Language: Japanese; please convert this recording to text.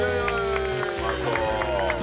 うまそう。